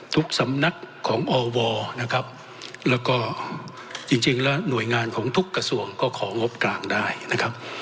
สำนักของอวนะครับแล้วก็จริงแล้วหน่วยงานของทุกกระทรวงก็ของงบกลางได้นะครับ